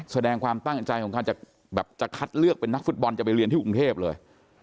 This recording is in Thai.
แสดงความตั้งใจของการจะแบบจะคัดเลือกเป็นนักฟุตบอลจะไปเรียนที่กรุงเทพเลย